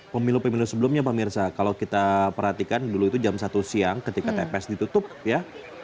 pemilu pemilu sebelumnya pemirsa kalau kita perhatikan dulu itu jam satu siang ketika tps ditutup ya